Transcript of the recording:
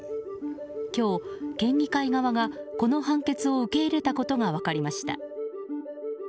今日、県議会側がこの判決を受け入れたことが分かりました。